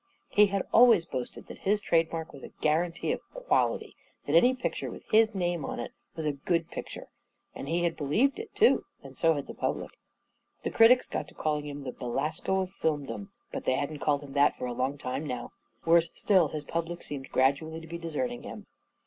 He had always boasted that his trade mark was a guarantee of quality, that any picture with his name on it was / i io A KING IN BABYLON a good picture — and he had believed it, too, and so had the public. The critics got to calling him the Belasco of Filmdom. But they hadn't called him that for a long time now. Worse still, his pub lic seemed gradually to be deserting him.